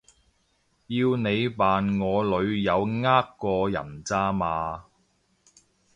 要你扮我女友呃個人咋嘛